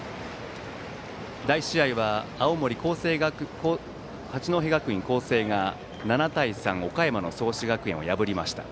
第１試合は青森の八戸学院光星が７対３と岡山の創志学園を破りました。